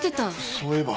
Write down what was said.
そういえば。